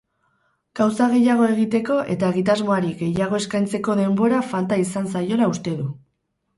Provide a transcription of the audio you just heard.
Gauza gehiago egiteko eta egitasmoari gehiago eskaintzeko denbora falta izan zaiola uste du.